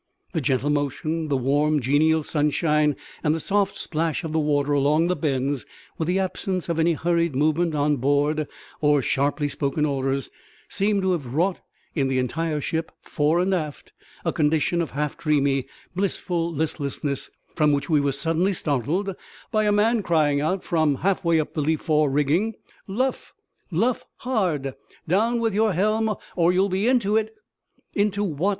The gentle motion, the warm, genial sunshine, and the soft splash of the water along the bends, with the absence of any hurried movement on board or sharply spoken orders, seemed to have wrought in the entire ship, fore and aft, a condition of half dreamy, blissful listlessness, from which we were suddenly startled by a man crying out, from halfway up the lee fore rigging "Luff! luff hard! down with your helm, or you'll be into it!" "Into what?"